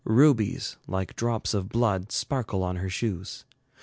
Rubies, like drops of blood, sparkle on her shoes.